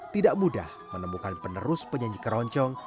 tidak mudah menemukan penerus penyanyi keroncong